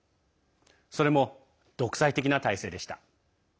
それも、独裁的な体制でした。